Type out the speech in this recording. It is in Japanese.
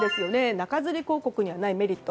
中づり広告にはないメリット。